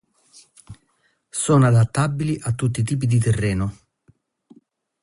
Sono adattabili a tutti i tipi di terreno.